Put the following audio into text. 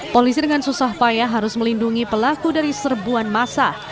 polisi dengan susah payah harus melindungi pelaku dari serbuan masa